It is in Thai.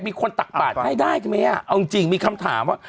มีคนตักบาตได้ไหมเอาจริงมีคำถาม